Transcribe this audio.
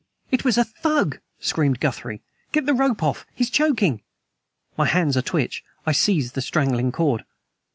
"It was a Thug!" screamed Guthrie. "Get the rope off! He's choking!" My hands a twitch, I seized the strangling cord.